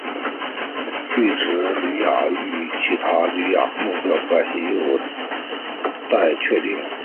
锯脂鲤亚科与其他脂鲤目的关系仍有待确定。